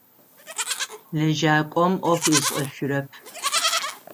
Лэжьакӏом ӏоф ышӏэшъурэп.